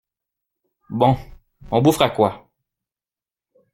Bon, on bouffera quoi?